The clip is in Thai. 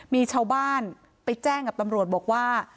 มีชาวบ้านไปแจ้งกับตำรวจบอกว่า